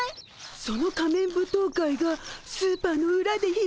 その仮面舞踏会がスーパーのうらで開かれる。